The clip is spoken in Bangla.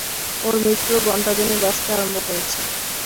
ওর মৃত্যুর ঘন্টাধ্বনি বাজতে আরম্ভ করেছে।